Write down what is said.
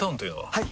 はい！